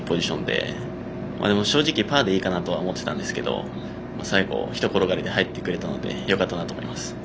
でも正直、パーでいいかなとは思っていたんですけど最後、ひと転がりで入ってくれたのでよかったなと思います。